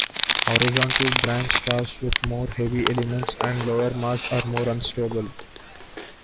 Horizontal-branch stars, with more heavy elements and lower mass, are more unstable.